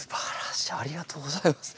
ありがとうございます。